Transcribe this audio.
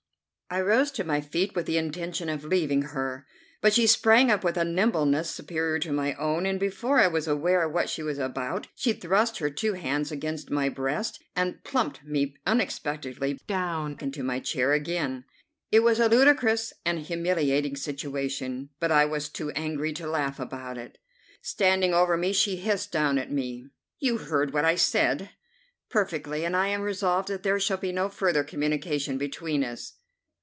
I rose to my feet with the intention of leaving her, but she sprang up with a nimbleness superior to my own, and before I was aware of what she was about she thrust her two hands against my breast and plumped me unexpectedly down into my chair again. It was a ludicrous and humiliating situation, but I was too angry to laugh about it. Standing over me, she hissed down at me: "You heard what I said." "Perfectly, and I am resolved that there shall be no further communication between us."